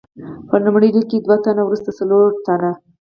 په لومړۍ لیکه کې دوه تنه، وروسته څلور تنه.